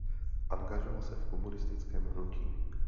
Angažoval se v komunistickém hnutí.